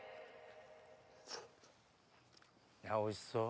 おいしそう。